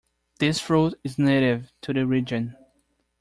This fruit is native to the region.